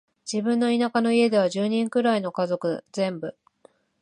自分の田舎の家では、十人くらいの家族全部、